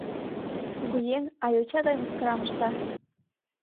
Кугыеҥ, а йоча гай мыскарам ышта...